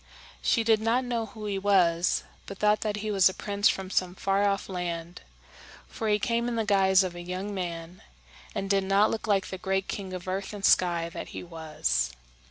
She did not know who he was, but thought that he was a prince from some far off land; for he came in the guise of a young man, and did not look like the great king of earth and sky that he was.